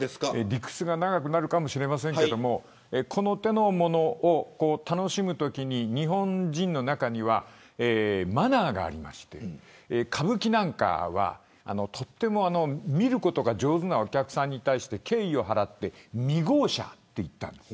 理屈が長くなるかもしれませんがこの手のものを楽しむときに日本人の中にはマナーがありまして歌舞伎なんかは見ることが上手なお客さんに対して、敬意を払って見巧者って言ったんです。